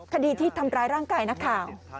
คดีที่ทำร้ายร่างกายนักข่าว